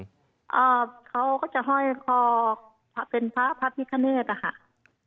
เขาก็จะห้อยคอเป็นพระพระพิคเนตอะค่ะ